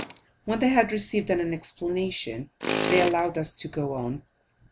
When they had received an explanation, they allowed us to go on.